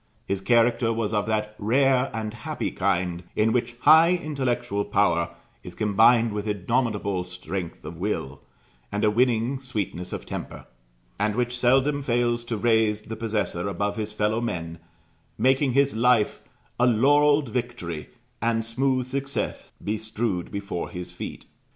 His character was of that _rare and happy kind, in which high intellectual power is combined with indomitable strength of will, and a winning sweetness of temper_, and which seldom fails to raise the possessor above his fellow men, making his life a 'laurelled victory, and smooth success Be strewed before his feet.'"